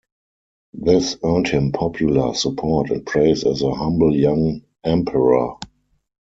This earned him popular support and praise as a humble young emperor.